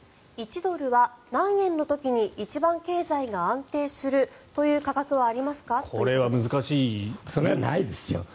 １ドルが何円の時に一番経済が安定するという価格はこれは難しいですね。